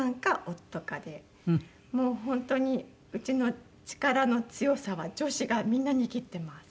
もう本当にうちの力の強さは女子がみんな握ってます。